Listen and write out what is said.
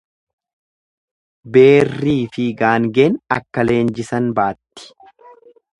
Beerriifi gaangeen akka leenjisan baatti.